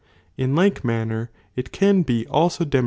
In like manner, it can be also de indcui!.